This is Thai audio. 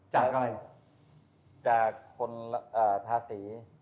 จากคนทาศี